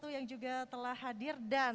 yang juga telah hadir dan